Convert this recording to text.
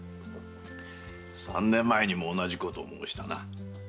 三年前にも同じことを申したな。